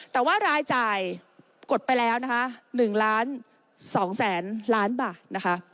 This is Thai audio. แต่ว่ารายจ่ายกดไปแล้วนะคะ๑ล้าน๒แสนล้านบาทนะคะ